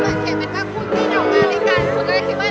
และสนิทใจที่สุดในการพูดเรื่อง